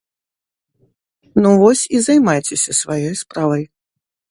Ну вось і займайцеся сваёй справай.